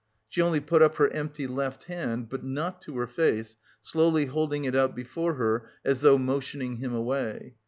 She only put up her empty left hand, but not to her face, slowly holding it out before her as though motioning him away.